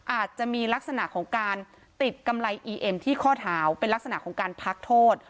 อาจจะมีลักษณะของการติดกำไรอีเอ็มที่ข้อเท้าเป็นลักษณะของการพักโทษ